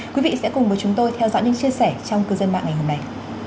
quý vị sẽ cùng với chúng tôi theo dõi những chia sẻ trong cư dân mạng ngày hôm nay